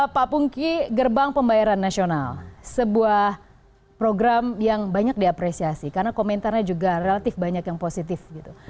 pak pungki gerbang pembayaran nasional sebuah program yang banyak diapresiasi karena komentarnya juga relatif banyak yang positif gitu